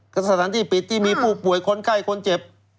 ก็สถานที่ปิดที่มีผู้ป่วยคนไข้คนเจ็บ